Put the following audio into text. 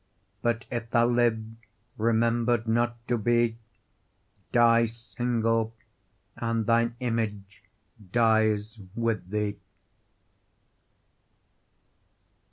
But if thou live, remember'd not to be, Die single and thine image dies with thee.